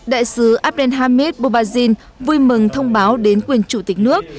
đại sứ abdelhamid boubazine vui mừng thông báo đến quyền chủ tịch nước